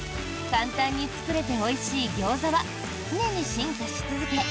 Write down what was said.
簡単に作れておいしいギョーザは常に進化し続け